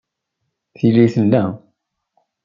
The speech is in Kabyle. Tili tella.